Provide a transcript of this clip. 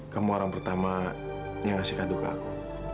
kamu orang pertama yang ngasih kadu ke aku